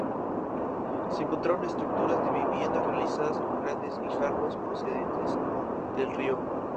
Se encontraron estructuras de viviendas realizadas con grandes guijarros procedentes del río.